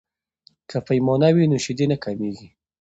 که پیمانه وي نو شیدې نه کمیږي.